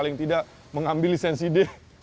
bisa mengambil lisensi d